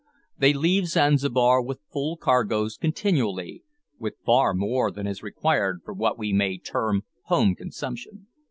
They leave Zanzibar with full cargoes continually, with far more than is required for what we may term home consumption.